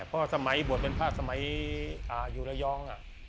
เพราะสมัยบวชเป็นพระสมัยอยู่ระยอง